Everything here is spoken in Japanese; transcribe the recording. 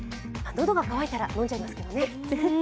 喉が渇いたら飲んじゃいますけどね。